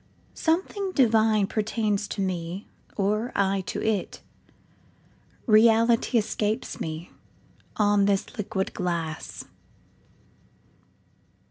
Something divine pertains to me, Or I to it;—realityEscapes me on this liquid glass.